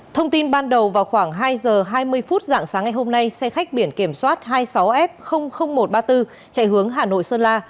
thông tin ban đầu vào khoảng hai giờ hai mươi phút dạng sáng ngày hôm nay xe khách biển kiểm soát hai mươi sáu f một trăm ba mươi bốn chạy hướng hà nội sơn la